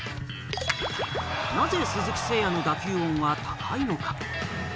なぜ鈴木誠也の打球音は高いのか？